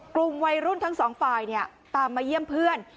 กลุ่มวัยรุ่นทั้งสองฝ่ายตามมาเยี่ยมเพื่อน